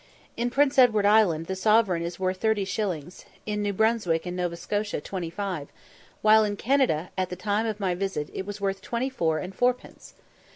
In Prince Edward Island the sovereign is worth thirty shillings; in New Brunswick and Nova Scotia twenty five; while in Canada, at the time of my visit, it was worth twenty four and four pence.